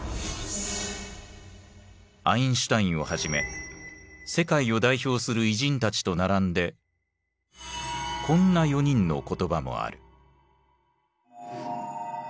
アインシュタインをはじめ世界を代表する偉人たちと並んでこんな４人の言葉もある。